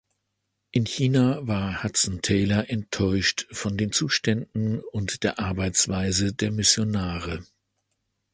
In China war Hudson Taylor enttäuscht von den Zuständen und der Arbeitsweise der Missionare.